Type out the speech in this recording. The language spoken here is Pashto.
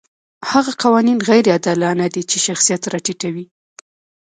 هغه قوانین غیر عادلانه دي چې شخصیت راټیټوي.